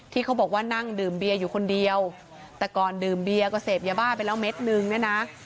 เขาบอกว่านั่งดื่มเบียร์อยู่คนเดียวแต่ก่อนดื่มเบียร์ก็เสพยาบ้าไปแล้วเม็ดนึงเนี่ยนะ